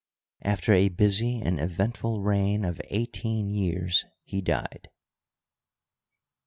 After a busy and eventful reign of eighteen years he died.